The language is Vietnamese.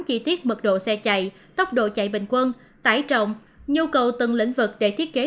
chi tiết mật độ xe chạy tốc độ chạy bình quân tải trọng nhu cầu từng lĩnh vực để thiết kế